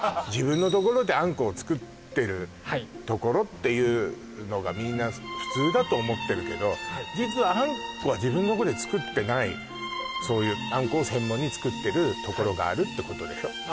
自分のところであんこを作ってるところっていうのがみんな普通だと思ってるけど実はあんこは自分のとこで作ってないあんこを専門に作ってるところがあるってことでしょ